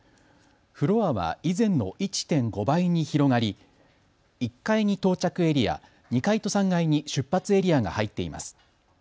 フロアは以前の１．５倍に広がり１階に到着エリア、２階と３階に出発エリアが入っています。